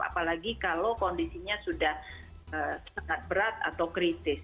apalagi kalau kondisinya sudah sangat berat atau kritis